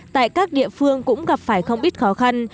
tại các địa phương cũng gặp phải không ít khó khăn